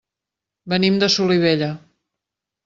Venim de Solivella.